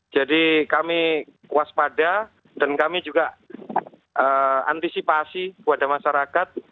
jadi kami waspada dan kami juga antisipasi kepada masyarakat